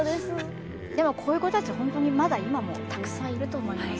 でもこういう子たち本当にまだ今もたくさんいると思います。